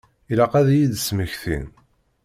Ilaq ad iyi-d-smektin.